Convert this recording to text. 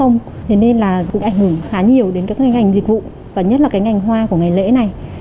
thế nên là cũng ảnh hưởng khá nhiều đến các cái ngành dịch vụ và nhất là cái ngành hoa của ngày lễ này